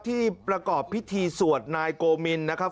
ที่ประกอบพิธีสวดนายโกมินนะครับ